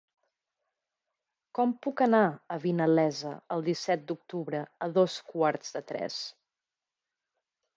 Com puc anar a Vinalesa el disset d'octubre a dos quarts de tres?